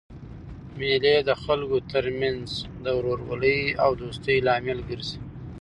مېلې د خلکو ترمنځ د ورورولۍ او دوستۍ لامل ګرځي.